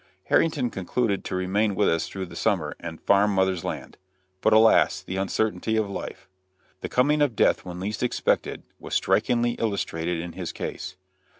Harrington concluded to remain with us through the summer and farm mother's land. But alas! the uncertainty of life. The coming of death when least expected was strikingly illustrated in his case.